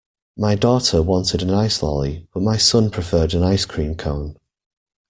My daughter wanted an ice lolly, but my son preferred an ice cream cone